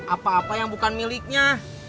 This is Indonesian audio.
apa apa yang bukan miliknya